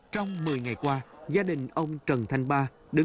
trong một mươi ngày qua gia đình ông trần thanh ba đứng trên đường